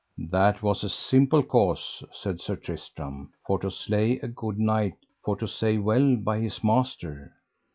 That was a simple cause, said Sir Tristram, for to slay a good knight for to say well by his master.